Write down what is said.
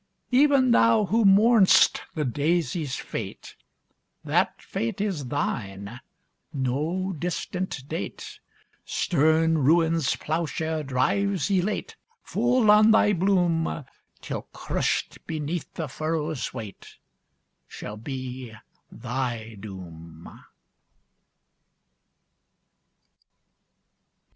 Ev'n thou who mourn'st the Daisy's fate, That fate is thine no distant date; Stern Ruin's plowshare drives, elate, Full on thy bloom, Till crushed beneath the furrow's weight Shall be thy doom!